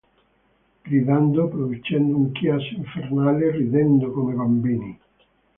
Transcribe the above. Gridando, producendo un chiasso infernale, ridendo come bambini.